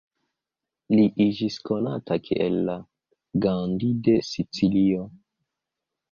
Li iĝis konata kiel la "Gandhi de Sicilio".